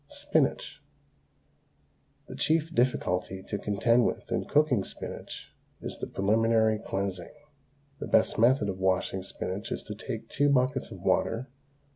SPINACH. The chief difficulty to contend with in cooking spinach is the preliminary cleansing. The best method of washing spinach is to take two buckets of water.